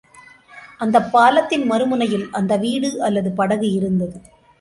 அந்தப் பாலத்தின் மறுமுனையில், அந்த வீடு அல்லது படகு இருந்தது.